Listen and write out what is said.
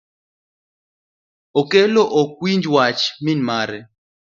Okelo ok winj wach min mare